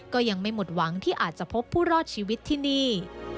ก็ยังไม่หมดหวังที่อาจจะพบผู้รอดชีวิตที่นี่